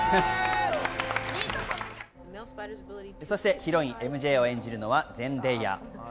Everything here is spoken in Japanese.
そして、ヒロイン・ＭＪを演じるのはゼンデイヤ。